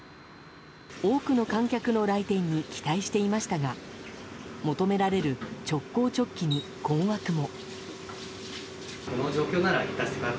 多くの観客の来店に期待していましたが求められる直行直帰に困惑も。